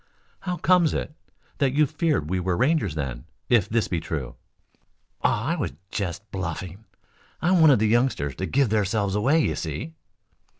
"How comes it that you feared we were Rangers then, if this be true?" "Aw, I was jest bluffing. I wanted the youngsters to give theirselves away, you see."